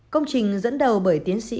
công trình dẫn đầu bởi tiến sĩ